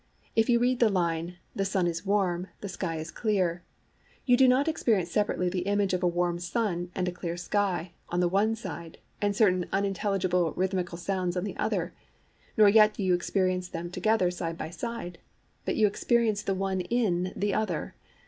If you read the line, 'The sun is warm, the sky is clear,' you do not[Pg 19]experience separately the image of a warm sun and clear sky, on the one side, and certain unintelligible rhythmical sounds on the other; nor yet do you experience them together, side by side; but you experience the one in the other.